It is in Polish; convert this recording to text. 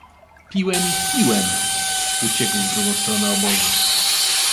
Piłem, piłem! — uciekł w drugą stronę obozu.